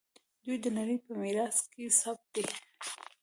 دوی د نړۍ په میراث کې ثبت دي.